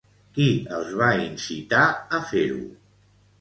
Qui els va incitar a fer-ho?